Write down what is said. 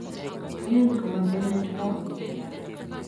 anyiny kumatet nee libwob